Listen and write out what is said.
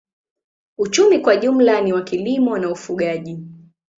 Uchumi kwa jumla ni wa kilimo na ufugaji.